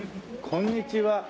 こんにちは。